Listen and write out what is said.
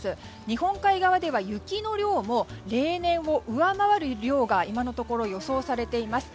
日本海側では雪の量も例年を上回る量が今のところ予想されています。